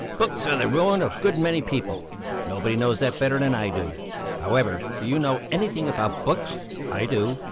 "Books are the ruin of a good many people. Nobody knows that better than I do. However, do you know anything about books? I do!